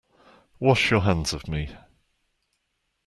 Wash your hands of me.